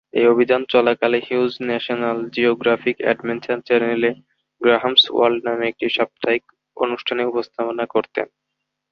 এই অভিযান চলাকালে হিউজ ন্যাশনাল জিওগ্রাফিক অ্যাডভেঞ্চার চ্যানেলে "গ্রাহাম’স ওয়ার্ল্ড" নামের একটি সাপ্তাহিক অনুষ্ঠানের উপস্থাপনা করতেন।